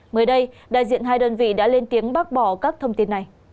mới đây đại diện hai đơn vị đã lên tiếng bác bỏ các thông tin này